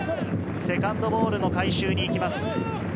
セカンドボールの回収に行きます。